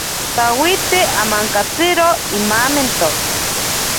Tawiti amankatsiro imamento.